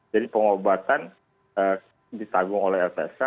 jadi pengobatan ditanggung oleh lpsk